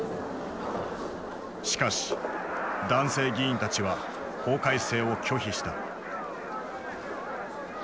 しかし男性議員たちは法改正を拒否した。